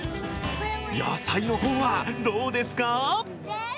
野菜の方はどうですか？